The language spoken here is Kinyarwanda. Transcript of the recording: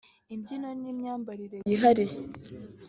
imbyino n’imyambarire yihariye